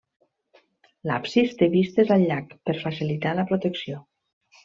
L'absis té vistes al llac per facilitar la protecció.